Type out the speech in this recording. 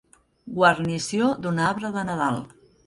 Guarnició d'un arbre de Nadal.